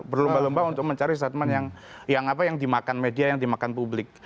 berlomba lomba untuk mencari statement yang dimakan media yang dimakan publik